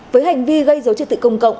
với hành vi gây dấu trật tự công cộng